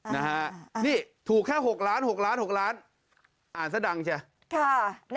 นี่ถูกแค่๖ล้านอ่านซะดังใช่ไหม